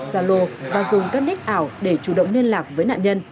zalo và dùng các nét ảo để chủ động liên lạc với nạn nhân